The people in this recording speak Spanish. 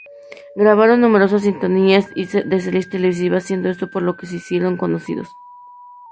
Grabaron numerosas sintonías de series televisivas, siendo esto por lo que se hicieron conocidos.